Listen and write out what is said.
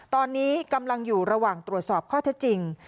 ตอนนี้กำลังอยู่ระหว่างตรวจสอบข้อเท็จจริง